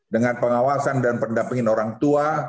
dengan pengawasan dan pendampingan orang tua